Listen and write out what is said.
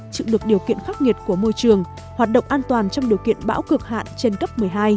chịu được điều kiện khắc nghiệt của môi trường hoạt động an toàn trong điều kiện bão cực hạn trên cấp một mươi hai